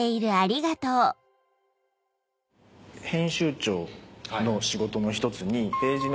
編集長の仕事の１つに。